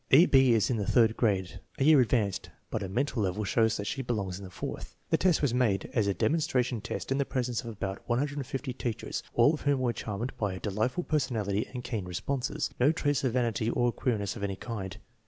E. B. is in the third grade, a year ad vanced, but her mental level shows that she belongs in the fourth: The test was made as a demonstration' test in the presence of about 150 * teachers, all of whom were charmed by her delightful personality and keen responses. No trace of vanity or queerness of any kind.